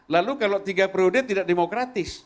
lalu kalau tiga periode tidak demokratis